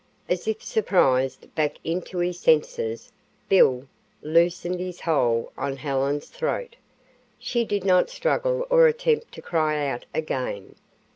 As if surprised back into his senses, "Bill" loosened his hold on Helen's throat. She did not struggle or attempt to cry out again.